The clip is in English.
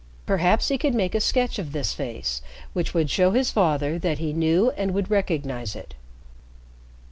Perhaps he could make a sketch of this face which would show his father that he knew and would recognize it.